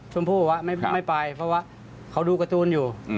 ชมพู่บอกว่าไม่ไปเพราะว่าเขาดูการ์ตูนอยู่